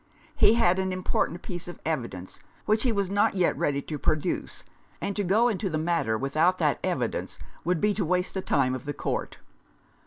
He had an im portant piece of evidence, which he was not yet ready to produce, and to go into the matter with out that evidence would be to waste the time of the Court.